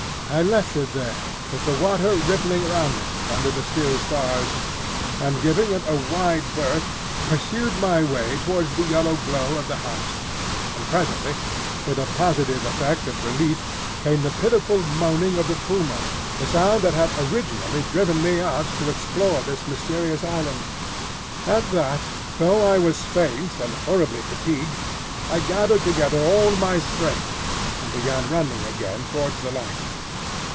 I left it there, with the water rippling round it, under the still stars, and giving it a wide berth pursued my way towards the yellow glow of the house; and presently, with a positive effect of relief, came the pitiful moaning of the puma, the sound that had originally driven me out to explore this mysterious island. At that, though I was faint and horribly fatigued, I gathered together all my strength, and began running again towards the light.